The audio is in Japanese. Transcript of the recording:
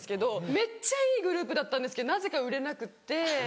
めっちゃいいグループだったんですけどなぜか売れなくって。